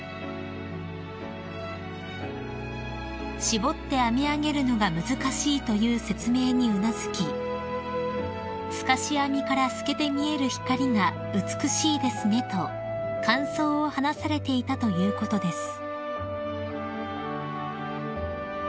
［「絞って編み上げるのが難しい」という説明にうなずき「透かし編みから透けて見える光が美しいですね」と感想を話されていたということです］